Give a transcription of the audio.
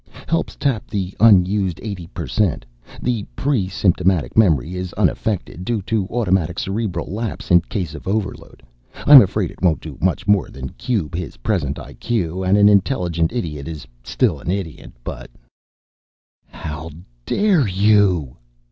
"Helps tap the unused eighty per cent. The pre symptomatic memory is unaffected, due to automatic cerebral lapse in case of overload. I'm afraid it won't do much more than cube his present IQ, and an intelligent idiot is still an idiot, but " "How dare you?"